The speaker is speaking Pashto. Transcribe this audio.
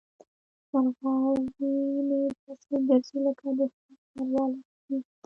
مرغاوۍ مې داسې ګرځي لکه د ښار ښارواله چې وي.